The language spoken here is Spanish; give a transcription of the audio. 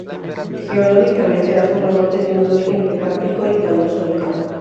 Geológicamente la zona norte tiene un origen Precámbrico y Paleozoico.